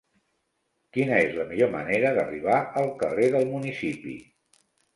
Quina és la millor manera d'arribar al carrer del Municipi?